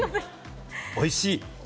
おいしい！